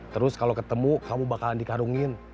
terus kalau ketemu kamu bakalan dikarungin